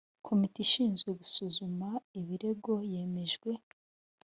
komite ishinzwe gusuzuma ibirego yemejwe.